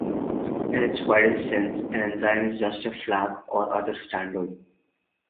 In its widest sense, an ensign is just a flag or other standard.